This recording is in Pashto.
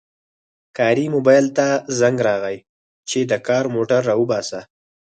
کاري موبایل ته زنګ راغی چې د کار موټر راوباسه